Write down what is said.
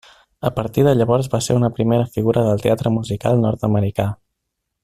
A partir de llavors va ser una primera figura del teatre musical nord-americà.